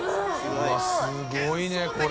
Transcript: ◆うわっ、すごいね、これ。